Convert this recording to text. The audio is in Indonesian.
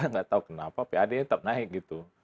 nggak tahu kenapa pad tetap naik gitu